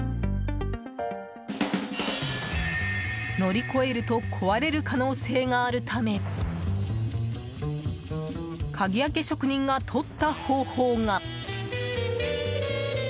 乗り越えると壊れる可能性があるため鍵開け職人が取った方法が。